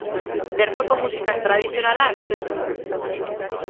Bertoko musika tradizionala abesten zuten.